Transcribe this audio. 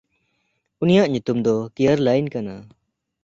ᱩᱱᱤᱭᱟᱜ ᱧᱩᱛᱩᱢ ᱫᱚ ᱠᱤᱭᱟᱨᱟᱞᱟᱹᱭᱤᱱ ᱠᱟᱱᱟ᱾